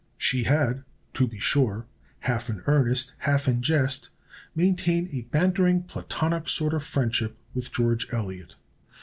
She had, to be sure, half in earnest, half in jest, maintained a bantering, platonic sort of friendship with George Elliot.